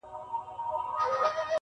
شپې د ځوانۍ لکه شېبې د وصل وځلېدې.!